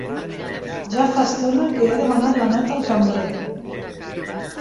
Ja fa estona que he demanat la nota al cambrer.